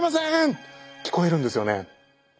聞こえるんですよね。